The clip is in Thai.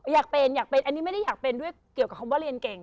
อยากเป็นอยากเป็นอันนี้ไม่ได้อยากเป็นด้วยเกี่ยวกับคำว่าเรียนเก่ง